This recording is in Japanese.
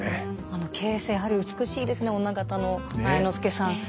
あの傾城やはり美しいですね女方の愛之助さん。